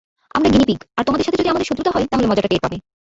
আমরা গিনিপিগ আর তোমাদের সাথে যদি আমাদের শত্রুতা হয়, তাহলে মজাটা টের পাবে।